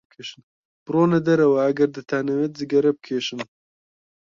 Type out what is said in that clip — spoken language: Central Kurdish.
بڕۆنە دەرەوە ئەگەر دەتانەوێت جگەرە بکێشن.